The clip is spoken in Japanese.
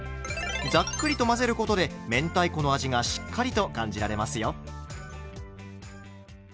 ざっくりと混ぜることで明太子の味がしっかりと感じられますよ。